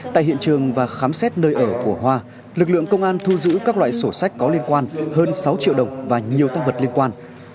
tại hiện trường và khám xét nơi ở của hoa lực lượng công an thu giữ các loại sổ sách có liên quan hơn sáu triệu đồng và nhiều tăng vật liên quan